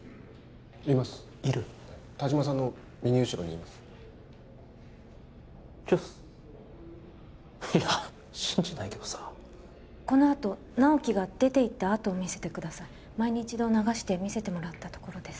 いますいる田島さんの右後ろにいますちわっすいや信じないけどさこのあと直木が出ていったあとを見せてください前に一度流して見せてもらったところです